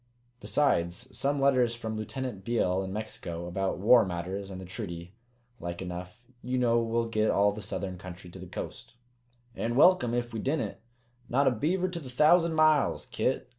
Besides, some letters from Lieutenant Beale in Mexico, about war matters and the treaty, like enough. You know, we'll get all the southern country to the Coast?" "An' welcome ef we didn't! Not a beaver to the thousand miles, Kit.